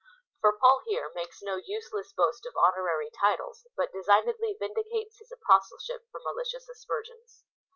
For Paul here makes no useless boast of honorary titles, but designedly vindicates his apostleship from malicious aspersions.